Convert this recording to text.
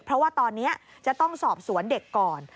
เพราะว่าตอนนี้จะต้องสอบสวนเด็กก่อน